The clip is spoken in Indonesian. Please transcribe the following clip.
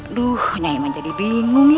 aduh nyai menjadi bingung ya